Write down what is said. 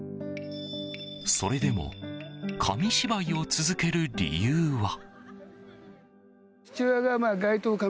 それでも紙芝居を続ける理由は。